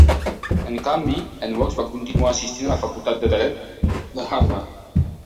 En canvi, en Wax va continuar assistint a la Facultat de Dret de Harvard .